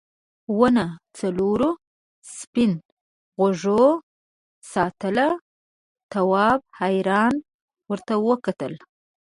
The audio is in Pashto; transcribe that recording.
ونه څلورو سپین غوږو ساتله تواب حیران ورته وکتل.